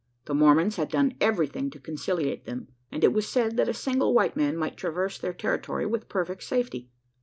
The Mormons had done everything to conciliate them; and it was said that a single white man might traverse their territory with perfect safety.